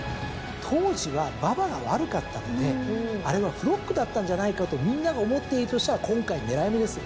当時は馬場が悪かったのであれはフロックだったんじゃないかとみんなが思っているとしたら今回狙い目ですよ。